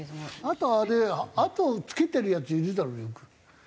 あとあれ後をつけてるヤツいるだろよく。